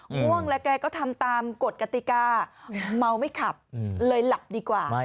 ง่วงแล้วแกก็ทำตามกฎกติกาเมาไม่ขับเลยหลับดีกว่า